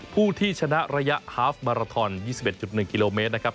ผู้ที่ชนะระยะฮาฟมาราทอน๒๑๑กิโลเมตรนะครับ